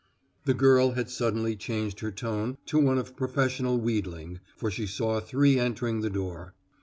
"] The girl had suddenly changed her tone to one of professional wheedling, for she saw three entering the door.